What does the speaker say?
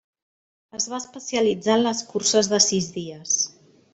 Es va especialitzar en les curses de sis dies.